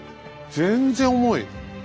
全然重い。